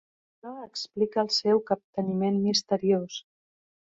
Això explica el seu capteniment misteriós.